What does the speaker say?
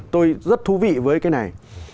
tôi rất thú vị với cái này